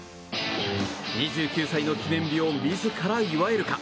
２９歳の記念日を自ら祝えるか。